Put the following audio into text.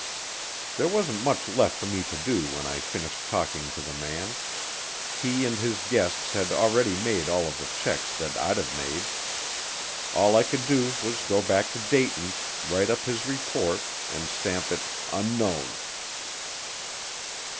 There wasn't much left for me to do when I finished talking to the man. He and his guests had already made all of the checks that I'd have made. All I could do was go back to Dayton, write up his report, and stamp it "Unknown."